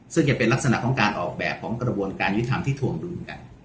ซึ่งจะเป็นลักษณะของการออกแบบของกระบวนการยุทธรรมที่ถวงดุลกัน